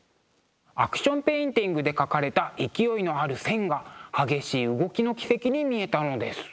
アクションペインティングで描かれた勢いのある線が激しい動きの軌跡に見えたのです。